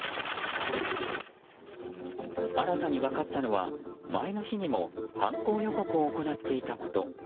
新たに分かったのは前の日にも犯行予告を行っていたこと。